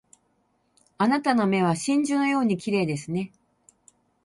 あなたの目は真珠のように綺麗ですね